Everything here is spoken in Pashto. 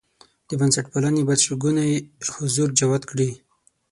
د بنسټپالنې بدشګونی حضور جوت کړي.